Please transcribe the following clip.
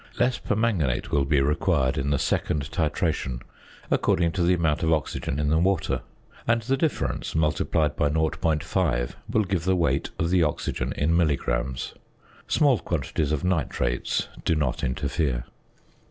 Less permanganate will be required in the second titration, according to the amount of oxygen in the water; and the difference, multiplied by 0.5, will give the weight of the oxygen in milligrams. Small quantities of nitrates do not interfere.